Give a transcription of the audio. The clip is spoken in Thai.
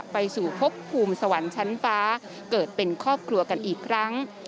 ไปสู่พบภูมิสวรรค์ชั้นฟ้าเกิดเป็นครอบครัวกันอีกครั้ง